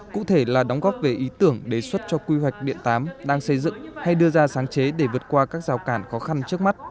cụ thể là đóng góp về ý tưởng đề xuất cho quy hoạch điện tám đang xây dựng hay đưa ra sáng chế để vượt qua các rào cản khó khăn trước mắt